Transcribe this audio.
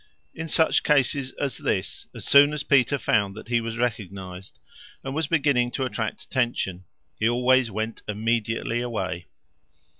In such cases as this, as soon as Peter found that he was recognized, and was beginning to attract attention, he always went immediately away.